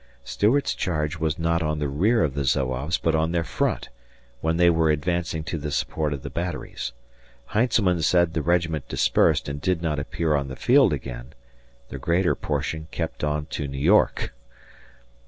Stuart's charge was not on the rear of the Zouaves but on their front, when they were advancing to the support of the batteries. Heintzelman said the regiment dispersed and did not appear on the field again; the greater portion kept on to New York.